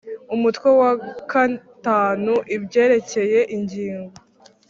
Umutwe wa v ibyerekeye ingingo